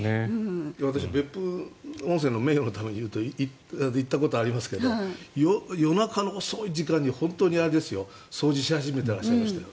私別府温泉の名誉のために言うと行ったことがありますけど夜中の遅い時間に本当に掃除し始めていらっしゃいましたよ。